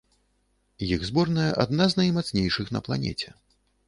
Іх зборная адна з наймацнейшых на планеце.